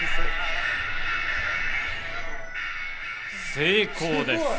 成功です。